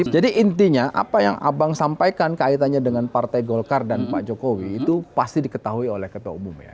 jadi intinya apa yang abang sampaikan kaitannya dengan partai golkar dan pak jokowi itu pasti diketahui oleh ketua umum ya